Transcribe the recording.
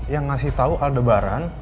yang ngasih tau aldebaran